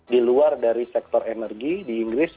di luar dari sektor energi di inggris